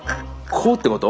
こうってこと？